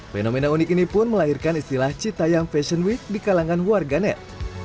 fenomena unik ini pun melahirkan istilah cita yang fashion week di kalangan warga net